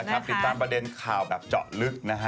ติดตามประเด็นข่าวแบบเจาะลึกนะฮะ